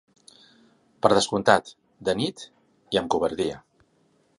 Per descomptat, de nit i amb covardia.